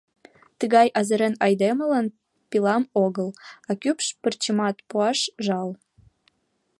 Тыгай азырен айдемылан пилам огыл, а кӱпш пырчымат пуаш жал!